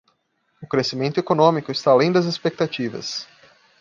O crescimento econômico está além das expectativas